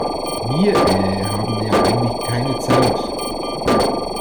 Wir, äh, haben ja eigentlich keine Zeit.